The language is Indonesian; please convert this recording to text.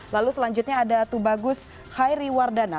lalu selanjutnya ada tubagus hairi wardana